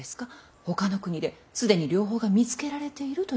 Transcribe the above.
ほかの国で既に療法が見つけられているということは？